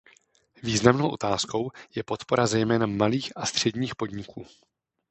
Významnou otázkou je podpora zejména malých a středních podniků.